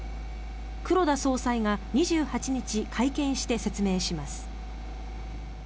黒田総裁が２８日、会見して説明します。